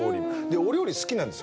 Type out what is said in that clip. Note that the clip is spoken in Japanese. お料理好きなんですよ